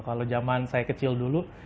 kalau zaman saya kecil dulu